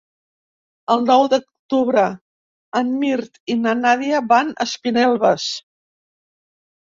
El nou d'octubre en Mirt i na Nàdia van a Espinelves.